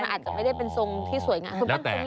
อาจจะไม่ได้เป็นทรงที่สวยงาม